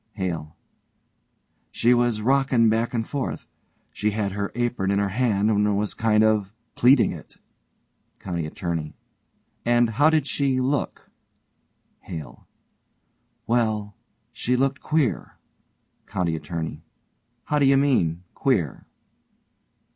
HALE: She was rockin' back and forth. She had her apron in her hand and was kind of pleating it. COUNTY ATTORNEY: And how did she look? HALE: Well, she looked queer. COUNTY ATTORNEY: How do you mean queer?